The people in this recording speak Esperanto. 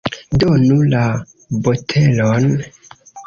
Donu la botelon!